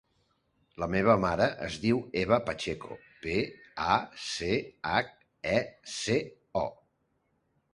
La meva mare es diu Eva Pacheco: pe, a, ce, hac, e, ce, o.